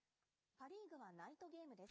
パ・リーグはナイトゲームです。